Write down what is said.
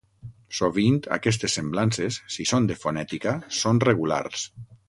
Sovint, aquestes semblances, si són de fonètica, són regulars.